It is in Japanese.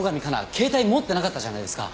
携帯持ってなかったじゃないですか。